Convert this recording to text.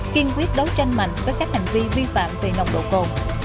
kiên quyết đối tranh mạnh với các hành vi vi phạm về nồng độ cổ